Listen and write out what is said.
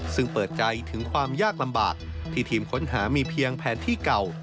ซึ่งเปิดใจถึงความยากลำบากที่ทีมค้นหามีเพียงแผนที่เก่า